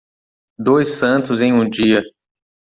Dois santos em um dia.